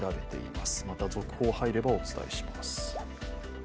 また続報が入ればお伝えします。